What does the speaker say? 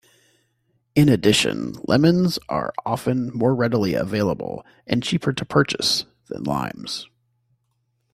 In addition lemons are often more readily available, and cheaper to purchase, than limes.